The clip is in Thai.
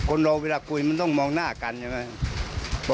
คนเราเวลาคุยมันต้องมองหน้ากันใช่ไหม